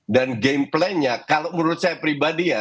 dan game plan nya kalau menurut saya pribadi ya